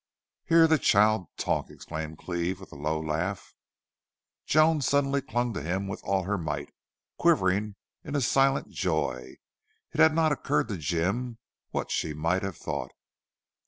"Hear the child talk!" exclaimed Cleve, with a low laugh. Joan suddenly clung to him with all her might, quivering in a silent joy. It had not occurred to Jim what she might have thought.